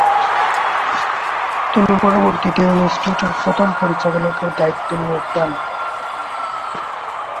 তিনি পরবর্তীতে ইন্সটিটিউটের প্রথম পরিচালকের দায়িত্বে নিয়োগ পান।